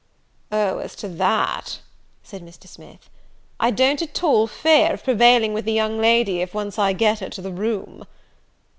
"O, as to that," said Mr. Smith, "I don't at all fear of prevailing with the young lady, if once I get her to the room."